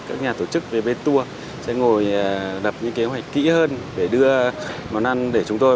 các nhà tổ chức về bên tour sẽ ngồi đập những kế hoạch kỹ hơn để đưa món ăn để chúng tôi